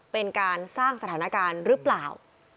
เป็นการสร้างสถานการณ์หรือเปล่า